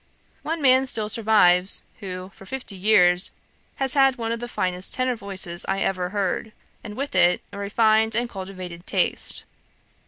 One man still survives, who, for fifty years, has had one of the finest tenor voices I ever heard, and with it a refined and cultivated taste.